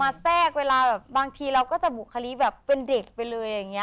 มาแทรกเวลาแบบบางทีเราก็จะบุขลี้แบบเป็นเด็กไปเลย